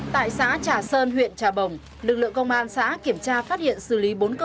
tại xã trà sơn huyện trà bồng lực lượng công an xã kiểm tra phát hiện xử lý bốn cơ sở